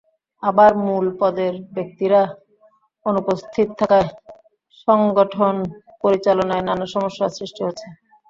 আবার মূল পদের ব্যক্তিরা অনুপস্থিত থাকায় সংগঠন পরিচালনায় নানা সমস্যার সৃষ্টি হচ্ছে।